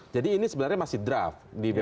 jadi ini sebenarnya masih draft di bpk